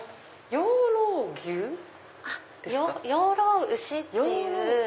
養老牛っていう。